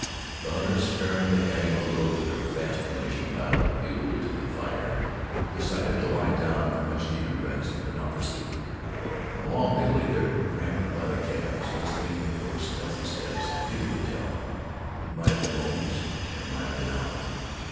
The hunters, sparingly adding a little of their fast diminishing pile of fuel to the fire, decided to lie down for much needed rest, but not for sleep. How long they lay there, cramped by the calves, listening for stealthy steps, neither could tell; it might have been moments and it might have been hours.